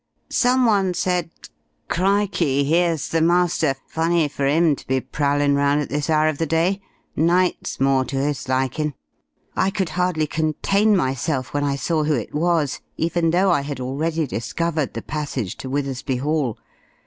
Someone said, 'Crickey! 'Ere's the Master! Funny for 'im to be prowlin' round at this hour of the day night's more to 'is likin'.' I could hardly contain myself when I saw who it was even though I had already discovered the passage to Withersby Hall.